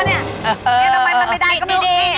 มันไม่ได้ก็ไม่โอเค